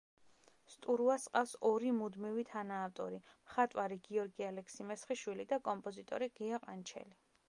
სტურუას ჰყავს ორი მუდმივი თანაავტორი: მხატვარი გიორგი ალექსი-მესხიშვილი და კომპოზიტორი გია ყანჩელი.